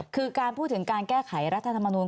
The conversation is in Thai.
คือการพูดถึงการแก้ไขรัฐธรรมนูล